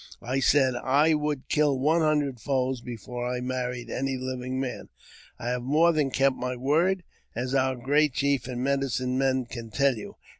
" I said I would kill one hundred foes before I married any living man. I have more than kept my word, as our great chief and medicine men can tell you.